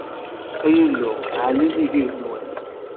Ay Illu, ɛelli nnig yigenwan!